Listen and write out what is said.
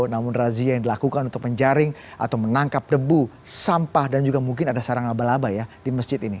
namun razia yang dilakukan untuk menjaring atau menangkap debu sampah dan juga mungkin ada sarang laba laba ya di masjid ini